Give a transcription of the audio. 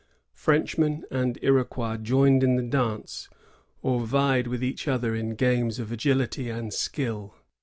Frenchmen and Iroquois joined in the dance, or vied with each other in games of agility and skill.